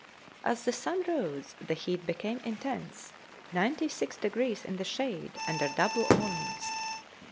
As the sun rose the heat became intense, 96° in the shade under double awnings.